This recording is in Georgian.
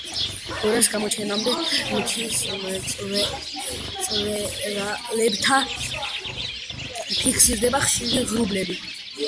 ბორას გამოჩენამდე მთის მწვერვალებთან ფიქსირდება ხშირი ღრუბლები.